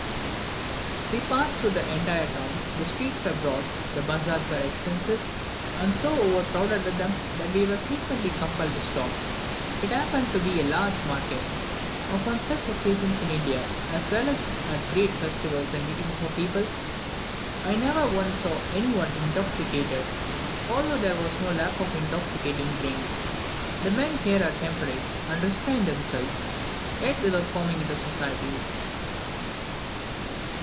We passed through the entire town; the streets were broad, the bazaars very extensive, and so overcrowded with men, that we were frequently compelled to stop; it happened to be a large market. Upon such occasions in India, as well as at great festivals and meetings of people, I never once saw any one intoxicated, although there was no lack of intoxicating drinks. The men here are temperate, and restrain themselves, yet without forming into societies.